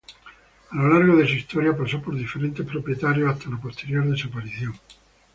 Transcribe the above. A lo largo de su historia pasó por diferentes propietarios hasta la posterior desaparición.